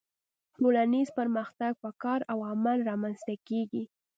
ټولنیز پرمختګ په کار او عمل رامنځته کیږي